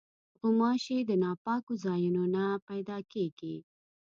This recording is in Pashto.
غوماشې د ناپاکو ځایونو نه پیدا کېږي.